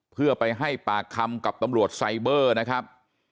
เพื่อไปให้ปากคำกับตำรวจไซเบอร์นะครับ